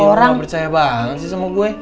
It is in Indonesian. iya lo gak percaya banget sih sama gue